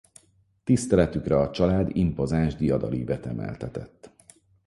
Tiszteletükre a család impozáns diadalívet emeltetett.